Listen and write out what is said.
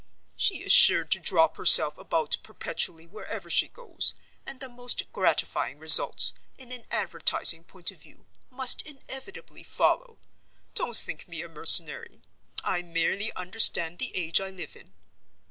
'). She is sure to drop herself about perpetually wherever she goes, and the most gratifying results, in an advertising point of view, must inevitably follow. Don't think me mercenary—I merely understand the age I live in."